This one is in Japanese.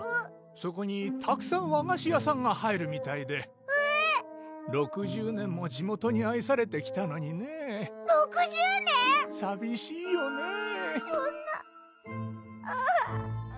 そこにたくさん和菓子屋さんが入るみたいでえぇ⁉６０年も地元に愛されてきたのにねぇ６０年⁉さびしいよねぇ